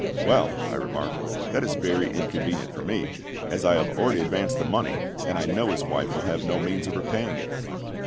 "Well," I remarked, "that is very inconvenient for me, as I have already advanced the money, and I know his wife will have no means of repaying it."